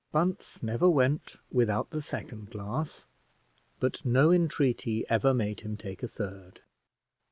Bunce never went without the second glass, but no entreaty ever made him take a third.